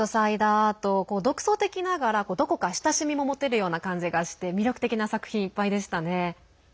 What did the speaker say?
アート独創的ながら、どこか親しみも持てるような感じがして魅力的な作品いっぱいでしたね。